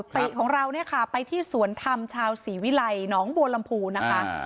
ติ๊กของเราไปที่สวนธรรมชาวศรีวิไลหนองบัวลำภูนะคะ